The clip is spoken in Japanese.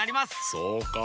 そうか。